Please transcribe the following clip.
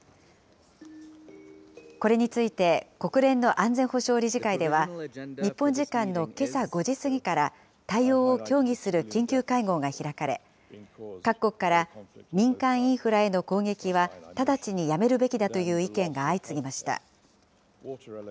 これについて国連の安全保障理事会では、日本時間のけさ５時過ぎから、対応を協議する緊急会合が開かれ、各国から民間インフラへの攻撃は直ちにやめるべきだという意見が相次ぎました。